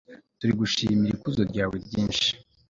turagushimir'ikuzo ryawe ryinshi